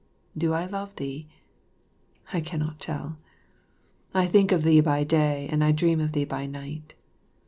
Do I love thee? I cannot tell. I think of thee by day and I dream of thee by night.